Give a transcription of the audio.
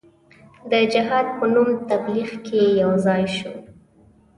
د جهاد په نوم تبلیغ کې یو ځای سو.